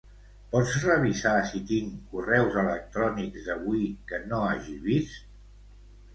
Pots revisar si tinc correus electrònics d'avui que no hagi vist?